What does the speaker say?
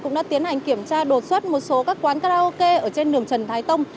cũng đã tiến hành kiểm tra đột xuất một số các quán karaoke ở trên đường trần thái tông